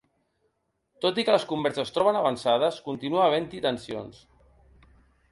Tot i que les converses es troben avançades, continua havent-hi tensions.